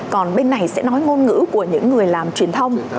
còn bên này sẽ nói ngôn ngữ của những người làm truyền thông